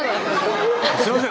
すいません